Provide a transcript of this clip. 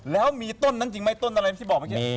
แล้วมีต้นนั้นจริงไหมต้นอะไรที่บอกเมื่อกี้